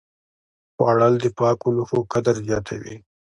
خوړل د پاکو لوښو قدر زیاتوي